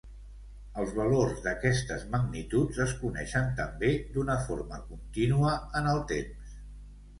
Els valors d'aquestes magnituds es coneixen també d'una forma contínua en el temps.